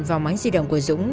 vào máy di động của dũng